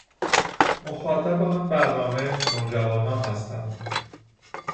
مخاطب آن برنامه، نوجوانان هستند